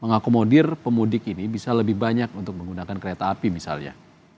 mengakomodir pemudik ini bisa lebih banyak untuk menggunakan kereta api misalnya